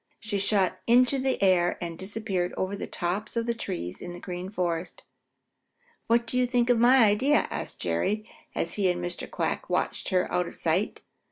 She shot up into the air and disappeared over the tops of the trees in the Green Forest. "What do you think of my idea?" asked Jerry, as he and Mr. Quack watched her out of sight.